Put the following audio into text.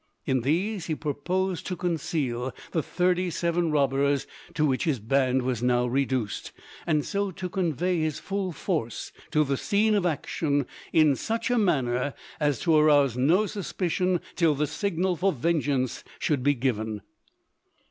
In these he purposed to conceal the thirty seven robbers to which his band was now reduced, and so to convey his full force to the scene of action in such a manner as to arouse no suspicion till the signal for vengeance should be given.